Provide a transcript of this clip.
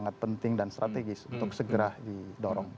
sangat penting dan strategis untuk segera didorong